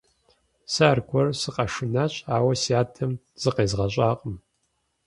Сэ аргуэру сыкъэшынащ, ауэ си адэм зыкъезгъэщӀакъым.